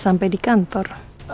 sampai di kantor